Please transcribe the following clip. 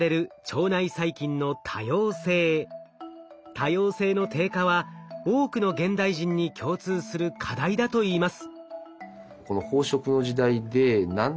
多様性の低下は多くの現代人に共通する課題だといいます。